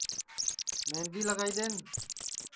مہندی لگائی دؔین